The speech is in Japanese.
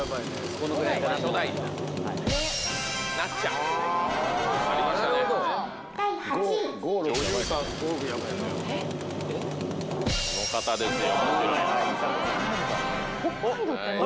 この方ですよ。